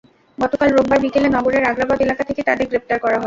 গতকাল রোববার বিকেলে নগরের আগ্রাবাদ এলাকা থেকে তাঁদের গ্রেপ্তার করা হয়।